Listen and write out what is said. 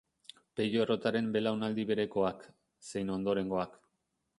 Pello Errotaren belaunaldi berekoak, zein ondorengoak.